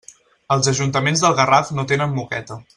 Els ajuntaments del Garraf no tenen moqueta.